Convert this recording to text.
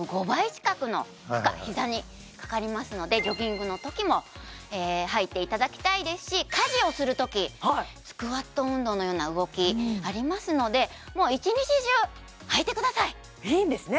ジョギングのときもはいていただきたいですし家事をするときスクワット運動のような動きありますのでもう一日中はいてくださいいいんですね